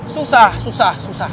susah susah susah